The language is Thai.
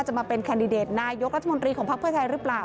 จะมาเป็นแคนดิเดตนายกราชมนตรีของภาพไทยไทยหรือเปล่า